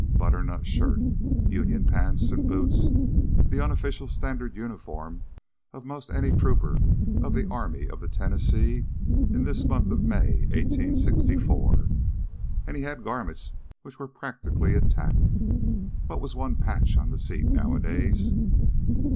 Butternut shirt, Union pants and boots the unofficial standard uniform of most any trooper of the Army of the Tennessee in this month of May, 1864. And he had garments which were practically intact. What was one patch on the seat nowadays?